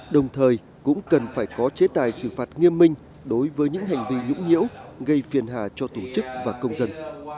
đồng thời cũng cần phải có chế tài xử phạt nghiêm minh đối với những hành vi nhũng nhiễu gây phiền hà cho tổ chức và công dân